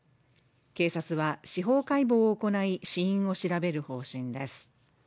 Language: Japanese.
警察は司法解剖を行い死因を調べる方針です。